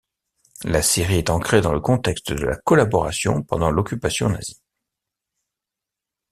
La série est ancrée dans le contexte de la collaboration pendant l'occupation nazie.